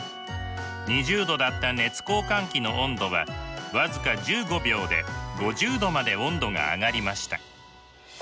２０℃だった熱交換器の温度は僅か１５秒で５０℃まで温度が上がりました。